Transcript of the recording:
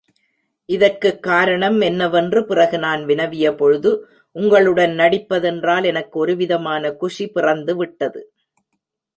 இதற்குக் காரணம் என்னவென்று பிறகு நான் வினவிய பொழுது உங்களுடன் நடிப்பதென்றால் எனக்கு ஒருவிதமான குஷி பிறந்து விட்டது.